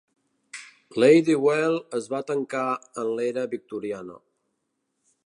Ladywell es va tancar en l'era victoriana.